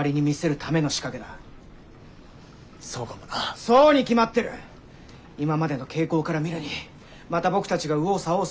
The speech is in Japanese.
今までの傾向から見るにまた僕たちが右往左往するのを見て楽しんでるんだ。